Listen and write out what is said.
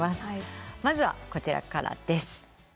まずはこちらからです。